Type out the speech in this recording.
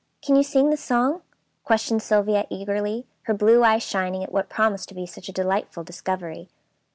Can you sing the song?" questioned Sylvia eagerly, her blue eyes shining at what promised to be such a delightful discovery.